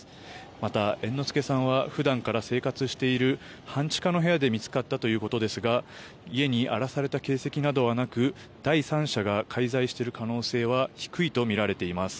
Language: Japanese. また、猿之助さんは普段から生活している半地下の部屋で見つかったということですが家に荒らされた形跡などはなく第三者が介在している可能性は低いとみられています。